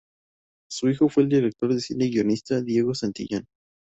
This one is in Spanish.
Su hijo fue el director de cine y guionista Diego Santillán.